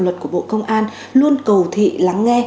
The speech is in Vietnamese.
luật của bộ công an luôn cầu thị lắng